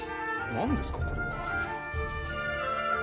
何ですかこれは。